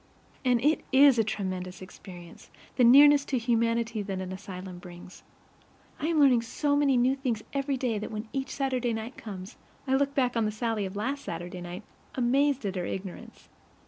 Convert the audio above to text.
And it IS a tremendous experience, the nearness to humanity that an asylum brings. I am learning so many new things every day that when each Saturday night comes I look back on the Sallie of last Saturday night, amazed at her ignorance.